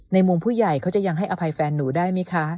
มุมผู้ใหญ่เขาจะยังให้อภัยแฟนหนูได้ไหมคะ